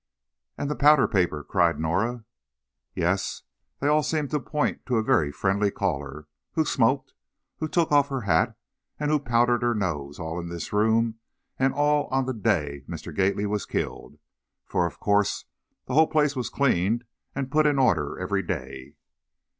"And the powder paper!" cried Norah. "Yes, they all seem to point to a very friendly caller, who smoked, who took off her hat, and who powdered her nose, all in this room, and all on the day Mr. Gately was killed. For, of course, the whole place was cleaned and put in order every day."